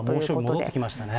猛暑日、戻ってきましたね。